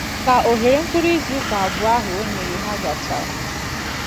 ka òhèrè mkpụrụ izuụka abụọ ahụ o nyere ha gachara